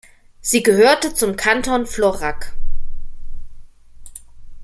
Sie gehörte zum Kanton Florac.